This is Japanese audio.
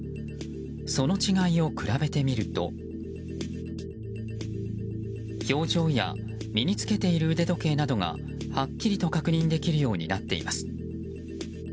その違いを比べてみると表情や身に付けている腕時計などがはっきりと確認できるようになっています。